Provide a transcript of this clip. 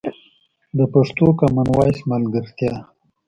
د پښتو کامن وایس ملګرتیا